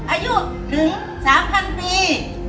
อายุถึง๓๐๐ปี